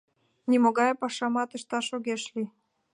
Нимогай пашамат ышташ огеш лий!